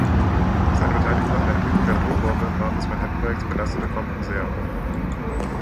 Seine Beteiligung an der Entwicklung der Atombombe im Rahmen des Manhattan-Projekts belastete Compton sehr.